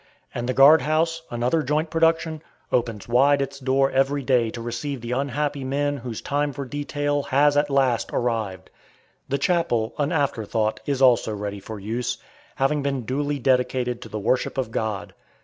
And the guard house, another joint production, opens wide its door every day to receive the unhappy men whose time for detail has at last arrived. The chapel, an afterthought, is also ready for use, having been duly dedicated to the worship of God.